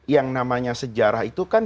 yang namanya sejarah itu kan